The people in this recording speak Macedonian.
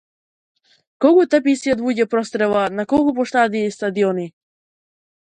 Колку теписи од луѓе прострела, на колку плоштади, стадиони.